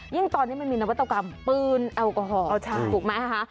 ตอนนี้มันมีนวัตกรรมปืนแอลกอฮอล์ถูกไหมคะ